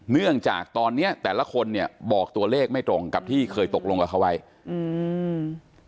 เนื่องจากตอนเนี้ยแต่ละคนเนี่ยบอกตัวเลขไม่ตรงกับที่เคยตกลงกับเขาไว้อืม